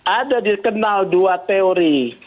ada dikenal dua teori